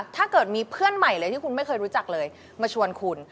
ถ้าเกิดมีเพื่อนใหม่เลยที่คุณไม่เคยรู้จักเลยมาชวนคุณ